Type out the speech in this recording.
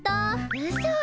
うそ。